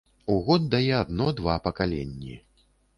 У год дае адно-два пакаленні.